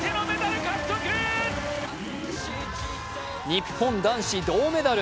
日本男子銅メダル。